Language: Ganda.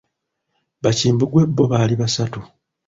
Bakimbugwe bo baali basatu.